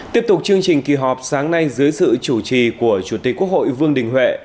tiếp tục chương trình kỳ họp sáng nay dưới sự chủ trì của chủ tịch quốc hội vương đình huệ